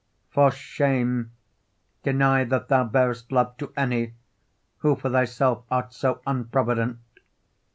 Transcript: X For shame! deny that thou bear'st love to any, Who for thyself art so unprovident.